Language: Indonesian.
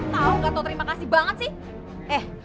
tau nggak tau terima kasih banget sih